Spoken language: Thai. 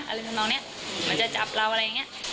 อะไรแบบนี้มันจะจับเราอะไรแบบนี้